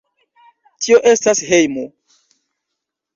Tio estas hejmo.